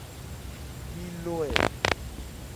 Mi loe.